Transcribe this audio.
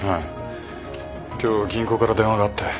今日銀行から電話があって。